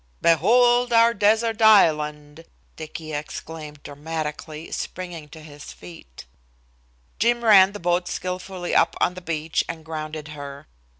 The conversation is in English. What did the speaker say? "Behold our desert island!" Dicky exclaimed dramatically, springing to his feet. Jim ran the boat skilfully up on the beach and grounded her.